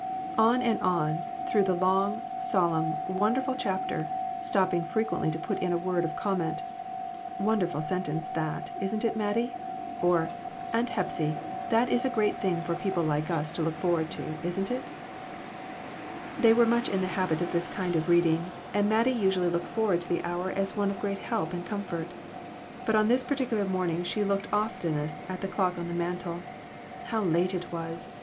On and on, through the long, solemn, wonden ful chapter, stopping frequently to put in a word of comment "Wonderful sentence that; isn't it, Mattie?" or, "Aunt Hepsy, that is a great thing for people like us to look forward to, isn't it?" They were much in the habit of this kind of reading, and Mattie usually looked forward to the hour as one of great help and comfort. But on this particular morning she looked oftenest at the clock on the mantel. How late it was!